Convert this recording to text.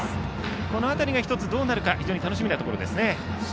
この辺りがどうなるか楽しみなところですね。